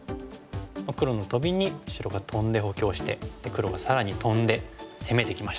黒のトビに白がトンで補強して黒が更にトンで攻めてきました。